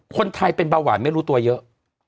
คนไทยเป็นเบาหวานไม่รู้ตัวเยอะ